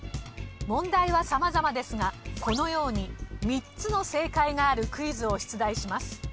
問題は様々ですがこのように３つの正解があるクイズを出題します。